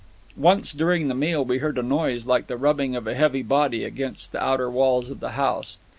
Once during the meal we heard a noise like the rubbing of a heavy body against the outer walls of the house.